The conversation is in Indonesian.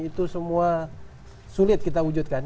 itu semua sulit kita wujudkan